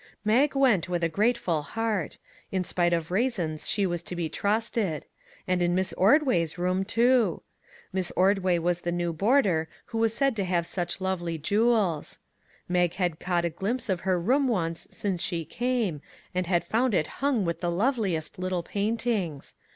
Mag went with a grateful heart. In spite of raisins she was to be trusted ; and in Miss Ord way's room, too. Miss Ordway was the new boarder who was said to have such lovely jew els. Mag had caught a glimpse of her room once since she came, and had found it hung with the loveliest little paintings!